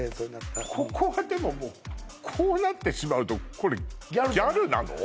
ここはでももうこうなってしまうとこれギャルなの？